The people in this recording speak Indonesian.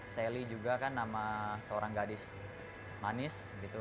sally juga kan nama seorang gadis manis gitu